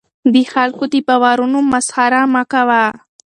د خلکو د باورونو مسخره مه کوه.